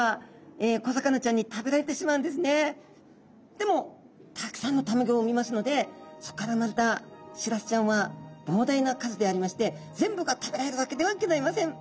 でもたくさんの卵を産みますのでそこから産まれたしらすちゃんは膨大な数でありまして全部が食べられるわけではギョざいません。